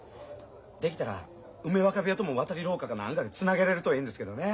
できたら梅若部屋とも渡り廊下か何かでつなげられるとええんですけどね。